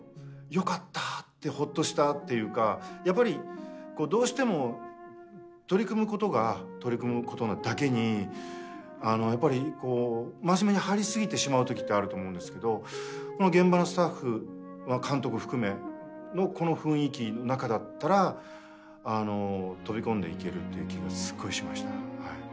よかった！ってホッとしたっていうかどうしても取り組むことが取り組むことなだけにやっぱり真面目に入り過ぎてしまうときってあると思うんですけどこの現場のスタッフ監督含めのこの雰囲気の中だったら飛び込んでいけるっていう気がすごいしました。